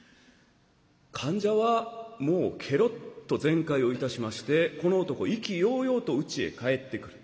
患者はもうけろっと全快をいたしましてこの男意気揚々とうちへ帰ってくる。